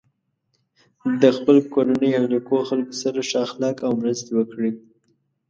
د خپل کورنۍ او نیکو خلکو سره ښه اخلاق او مرستې وکړی.